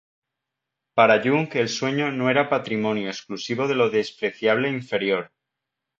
Para Jung el sueño no era patrimonio exclusivo de lo despreciable e inferior.